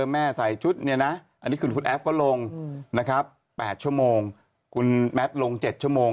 แม่ใส่ชุดเนี่ยนะอันนี้คือคุณแอฟก็ลงนะครับ๘ชั่วโมงคุณแมทลง๗ชั่วโมง